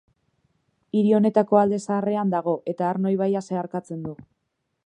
Hiri honetako Alde Zaharrean dago, eta Arno ibaia zeharkatzen du.